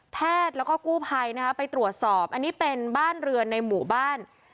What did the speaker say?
แพทย์แล้วก็กู้ภัยนะคะไปตรวจสอบอันนี้เป็นบ้านเรือนในหมู่บ้าน